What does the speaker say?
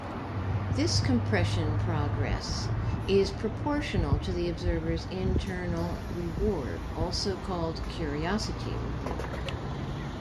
This compression progress is proportional to the observer's internal reward, also called curiosity reward.